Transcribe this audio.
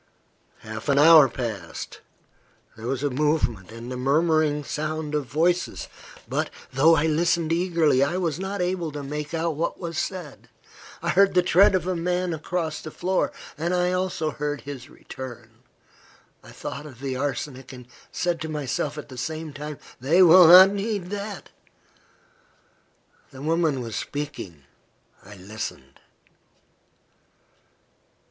Half an hour passed. There was a movement, and the murmuring sound of voices, but, though I listened eagerly, I was not able to make out what was said. I heard the tread of a man across the floor, and I also heard his return. I thought of the arsenic, and said to myself, at the same time, "They will not need that." The woman was speaking. I listened.